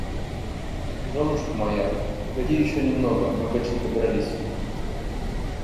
Жёнушка моя, погоди ещё немного, мы почти добрались.